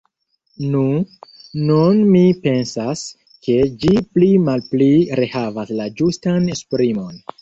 Nu, nun mi pensas, ke ĝi pli-malpi rehavas la ĝustan esprimon!